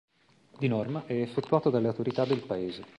Di norma, è effettuato dalle autorità del Paese.